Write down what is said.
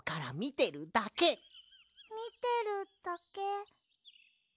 みてるだけ。